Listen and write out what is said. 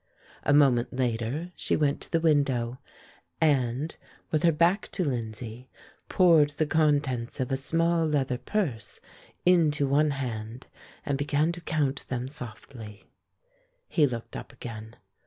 A moment later she went to the window and, with her back to Lindsay, poured the contents of a small leather purse into one hand and began to count them softly. He looked up again.